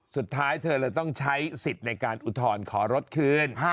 สุดท้ายเธอเลยต้องใช้สิทธิ์ในการอุทธรณ์ขอรถคืน